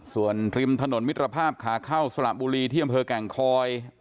ส่วนริมถนนมิตรภาพขาเข้าสระบุรีที่อำเภอแก่งคอย